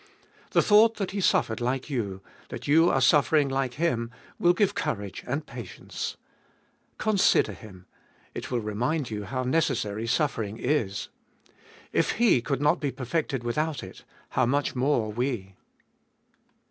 The thought that He suffered like you, that you are suffering like Him, will 486 Cbe fwllest of 2111 give courage and patience. Consider Him. It will remind you how necessary suffering is. If He could not be perfected with out it, how much more we.